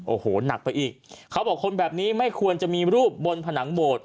โอ้โหหนักไปอีกเขาบอกคนแบบนี้ไม่ควรจะมีรูปบนผนังโบสถ